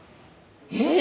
えっ？